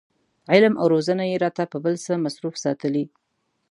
علم او روزنه یې راته په بل څه مصروف ساتلي.